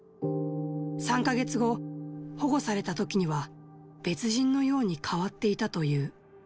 ３か月後、保護されたときには、別人のように変わっていたという。